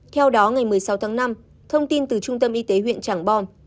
theo đó ngày một mươi sáu tháng năm thông tin từ trung tâm y tế huyện trảng bom